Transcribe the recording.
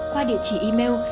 qua địa chỉ email